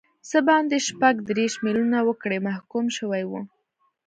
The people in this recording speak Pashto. څه باندې شپږ دیرش میلیونه وګړي محکوم شوي وو.